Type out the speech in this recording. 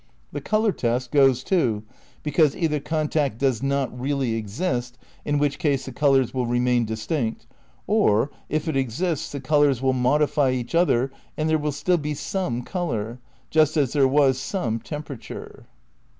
The colour test goes, too, because, either contact does not really exist, in which case the colours will remain distinct, or, if it exists the colours will modify each other and there will still be some colour, just as there was some temperature.